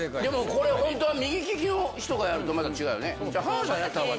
これ本当は右利きの人がやると、また違うね。